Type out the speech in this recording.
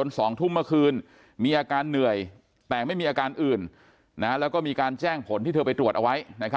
๒ทุ่มเมื่อคืนมีอาการเหนื่อยแต่ไม่มีอาการอื่นนะแล้วก็มีการแจ้งผลที่เธอไปตรวจเอาไว้นะครับ